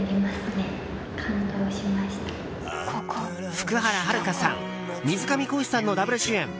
福原遥さん、水上恒司さんのダブル主演。